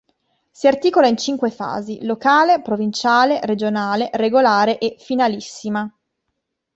Si articola in cinque fasi: locale, provinciale, regionale, regolare e finalissima.